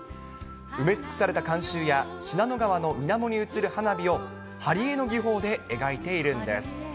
埋め尽くされた観衆や、信濃川のみなもに映る花火を貼り絵の技法で描いているんです。